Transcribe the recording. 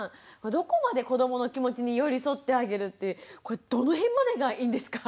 どこまで子どもの気持ちに寄り添ってあげるってこれどの辺までがいいんですか？